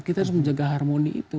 kita harus menjaga harmoni itu